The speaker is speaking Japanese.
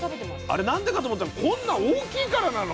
あれ何でかと思ったらこんな大きいからなの？